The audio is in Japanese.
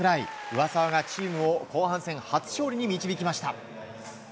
上沢がチームを後半戦初勝利に導きました。